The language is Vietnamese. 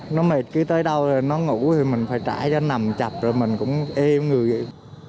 nó mệt cứ tới đâu rồi nó ngủ thì mình phải trải cho nằm chập rồi mình cũng êm người vậy